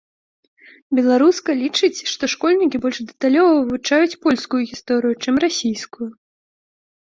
Беларуска лічыць, што школьнікі больш дэталёва вывучаюць польскую гісторыю, чым расійскую.